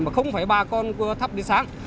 mà không phải bà con thắp đến sáng